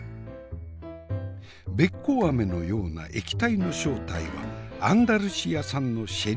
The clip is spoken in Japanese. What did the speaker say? べっ甲あめのような液体の正体はアンダルシア産のシェリー酒。